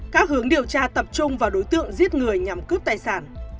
các hướng điều tra tập trung vào đối tượng giết người nhằm cướp tài sản